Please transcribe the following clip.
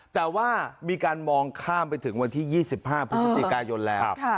แต่ว่ามีการมองข้ามไปถึงวันที่๒๕พฤศจิกายนแล้ว